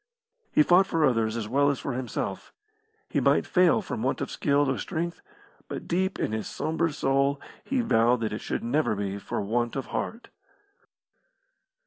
He fought for others as well as for himself. He might fail from want of skill or strength, but deep in his sombre soul he vowed that it should never be for want of heart.